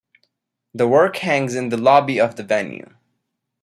The work hangs in the lobby of the venue.